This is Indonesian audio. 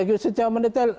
iya bisa sampai tertil